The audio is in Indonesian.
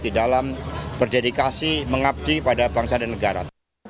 di dalam berdedikasi mengabdi pada bangsa dan negara